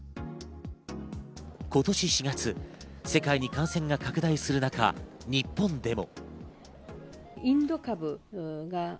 今年４月、世界に感染が拡大する中、日本でも。